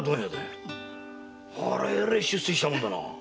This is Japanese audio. えらく出世したもんだな。